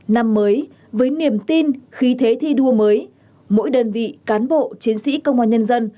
năm mới với niềm tin khí thế thi đua mới mỗi đơn vị cán bộ chiến sĩ công an nhân dân